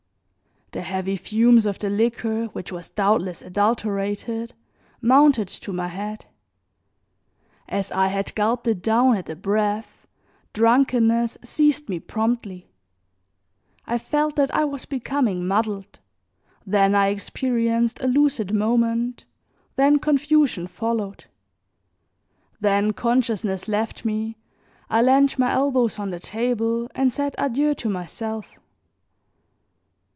The heavy fumes of the liquor, which was doubtless adulterated, mounted to my head. As I had gulped it down at a breath, drunkenness seized me promptly; I felt that I was becoming muddled, then I experienced a lucid moment, then confusion followed. Then consciousness left me, I leaned my elbows on the table and said adieu to myself.